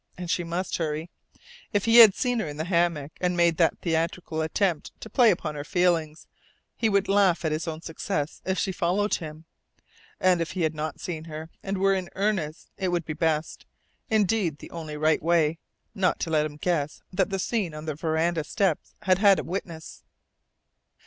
And she must hurry! If he had seen her in her hammock, and made that theatrical attempt to play upon her feelings, he would laugh at his own success if she followed him. And if he had not seen her, and were in earnest, it would be best indeed the only right way not to let him guess that the scene on the veranda steps had had a witness.